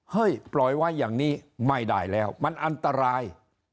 ปล่อยไว้อย่างนี้ไม่ได้แล้วมันอันตราย